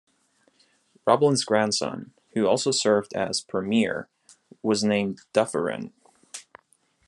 Roblin's grandson, who also served as premier, was named "Dufferin".